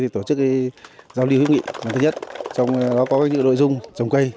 tổ chức giao lưu hữu nghị lần thứ nhất có những nội dung chồng cây